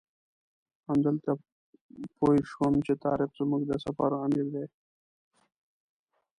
همدلته پوی شوم چې طارق زموږ د سفر امیر دی.